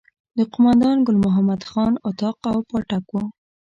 د قوماندان ګل محمد خان اطاق او پاټک وو.